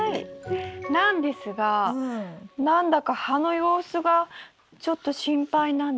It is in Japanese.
なんですが何だか葉の様子がちょっと心配なんです。